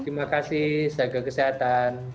terima kasih sehat ke kesehatan